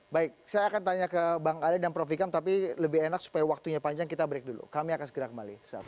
baik saya akan tanya ke bang ali dan prof ikam tapi lebih enak supaya waktunya panjang kita break dulu kami akan segera kembali